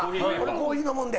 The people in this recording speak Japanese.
コーヒー飲むから。